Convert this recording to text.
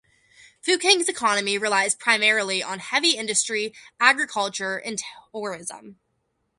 Fukang's economy relies primarily on heavy industry, agriculture and tourism.